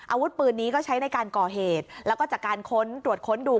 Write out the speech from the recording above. อาวุธปืนนี้ก็ใช้ในการก่อเหตุแล้วก็จากการค้นตรวจค้นดู